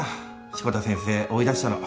志子田先生追い出したの。